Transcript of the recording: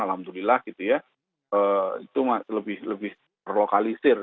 alhamdulillah itu lebih berlokalis